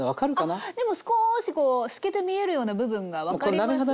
あでも少しこう透けて見えるような部分が分かりますね。